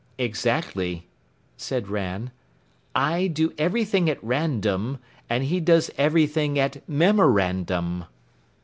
"Exactly," said Ran. "I do everything at Random, and he does everything at memorandum."